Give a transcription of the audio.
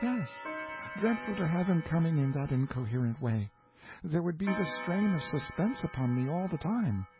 "Yes—dreadful to have him coming in that incoherent way. There would be the strain of suspense upon me all the time.